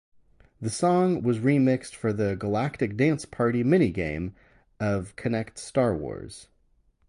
The song was remixed for the Galactic Dance Party minigame of "Kinect Star Wars".